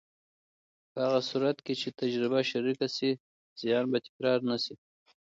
په هغه صورت کې چې تجربه شریکه شي، زیان به تکرار نه شي.